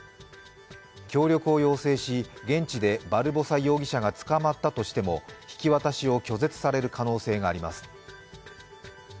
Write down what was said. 協力を要請し現地でバルボサ容疑者が捕まったとしても引き渡しを拒絶される可能性があります。